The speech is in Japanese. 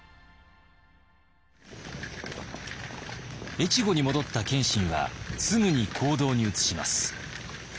越後に戻った謙信はすぐに行動に移します。